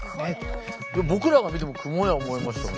僕らが見てもクモや思いましたもん。